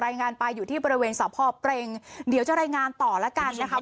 รายงานไปอยู่ที่บริเวณสพเปรงเดี๋ยวจะรายงานต่อแล้วกันนะครับ